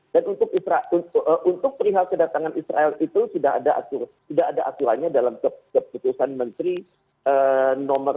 dan untuk perihal kedatangan israel itu tidak ada aturannya dalam keputusan menteri nomor tiga